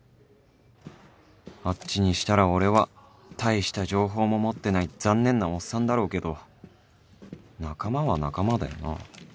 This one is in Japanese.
あっちにしたら俺は大した情報も持ってない残念なおっさんだろうけど仲間は仲間だよな